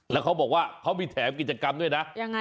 แล้วเขาบอกว่าเขามีแถมกิจกรรมด้วยนะยังไง